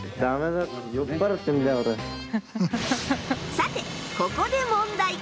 さてここで問題！